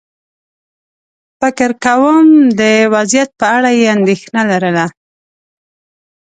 فکر کووم د وضعيت په اړه یې اندېښنه لرله.